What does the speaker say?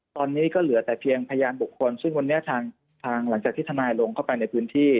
ตอนนี้ก็เหลือแต่เพียงพยานบุคคลซึ่งวันนี้ทางหลังจากที่ทนายลงเข้าไปในพื้นที่